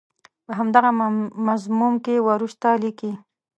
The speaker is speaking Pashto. په همدغه مضمون کې وروسته لیکي.